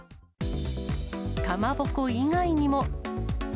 かまぼこ以外にも。